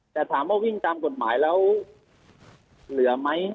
แต่ถามว่าวิ่งตามกฎหมายแล้วเหลือไหม